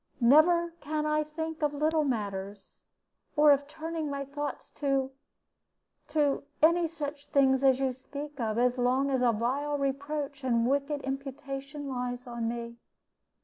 Never can I think of little matters, or of turning my thoughts to to any such things as you speak of, as long as a vile reproach and wicked imputation lies on me.